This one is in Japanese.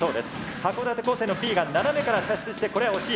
函館高専のＢが斜めから射出してこれは惜しい。